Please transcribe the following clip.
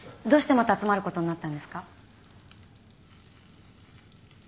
どうしてまた集まることになったんですか？